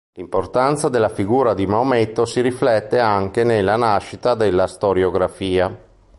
L'importanza della figura di Maometto si riflette anche nella nascita della storiografia.